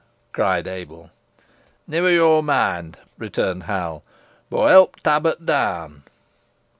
cried Ebil. "Never yo moind," returned Hal, "boh help t' abbut down."